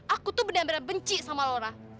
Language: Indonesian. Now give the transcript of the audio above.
aku tuh bener bener benci sama lora